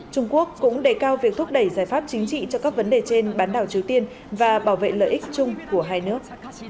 trung quốc cũng đề cao việc thúc đẩy giải pháp chính trị cho các vấn đề trên bán đảo triều tiên và bảo vệ lợi ích chung của hai nước